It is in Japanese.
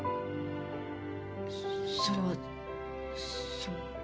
それはその。